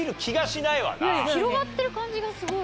広がってる感じがすごい。